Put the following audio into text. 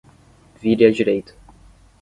Vire à direita.